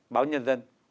báo nhân dân